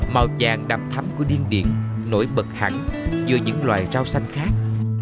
màu vàng đậm thấm của điên điện nổi bật hẳn như những loài rau xanh khác